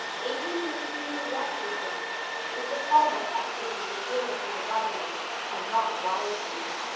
Adrian's increasing restiveness took the form of active interference with the government, and not wisely.